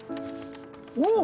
おお！